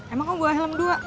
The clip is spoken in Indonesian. emang kamu buah helm dua